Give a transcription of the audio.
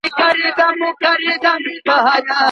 ښه انسان تل ریښتيا وايي